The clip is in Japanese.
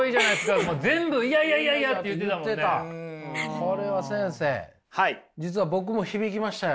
これは先生実は僕も響きましたよ。